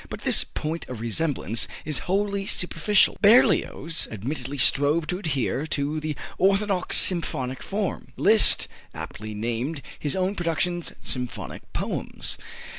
But this point of resemblance is wholly superficial. Berlioz admittedly strove to adhere to the orthodox symphonic form. Liszt aptly named his own productions "symphonic poems."